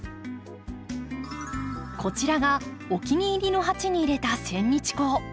こちらがお気に入りの鉢に入れたセンニチコウ。